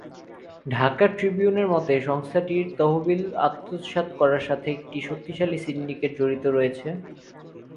ঢাকা ট্রিবিউনের মতে, সংস্থাটির তহবিল আত্মসাৎ করার সাথে একটি শক্তিশালী সিন্ডিকেট জড়িত রয়েছে।